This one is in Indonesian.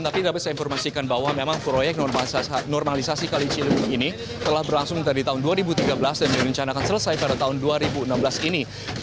tapi dapat saya informasikan bahwa memang proyek normalisasi kali ciliwung ini telah berlangsung dari tahun dua ribu tiga belas dan direncanakan selesai pada tahun dua ribu enam belas ini